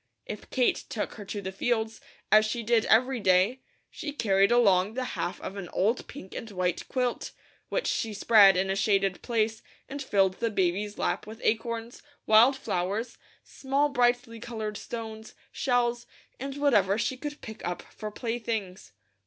If Kate took her to the fields, as she did every day, she carried along the half of an old pink and white quilt, which she spread in a shaded place and filled the baby's lap with acorns, wild flowers, small brightly coloured stones, shells, and whatever she could pick up for playthings.